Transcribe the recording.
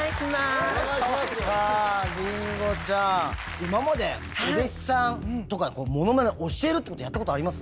今までお弟子さんとかモノマネ教えるってことやったことあります？